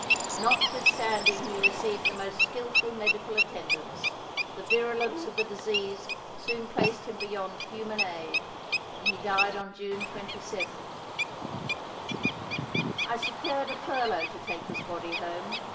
Notwithstanding he received the most skillful medical attendance, the virulence of the disease soon placed him beyond human aid, and he died on June 27. I secured a furlough to take his body home.